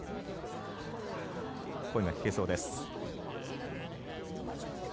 声が聞けそうです。